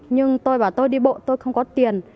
nhưng tôi và tôi đi bộ tôi không có tiền